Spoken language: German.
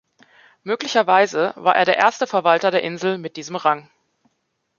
Möglicherweise war er der erste Verwalter der Insel mit diesem Rang.